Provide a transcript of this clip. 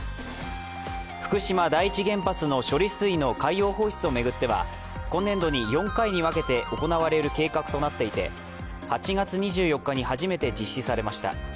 福島第一原発の処理水の海洋放出を巡っては今年度に４回に分けて行われる計画となっていて８月２４日に初めて実施されました。